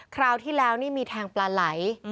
คราวที่แล้วนี่มีแทงปลาไหล